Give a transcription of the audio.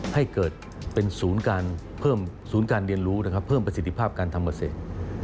ให้เกิดเป็นศูนย์การเรียนรู้เพิ่มประสิทธิภาพการทำเวลาเศรษฐ์